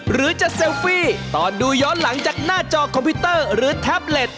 หรือจะเซลฟี่ตอนดูย้อนหลังจากหน้าจอคอมพิวเตอร์หรือแท็บเล็ต